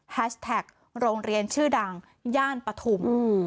แท็กโรงเรียนชื่อดังย่านปฐุม